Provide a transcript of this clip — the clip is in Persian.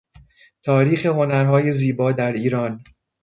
تاریخ هنرهای زیبا در ایران